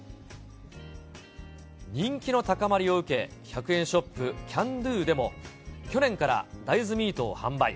人気の高まりを受け、１００円ショップ、キャンドゥでも、去年から大豆ミートを販売。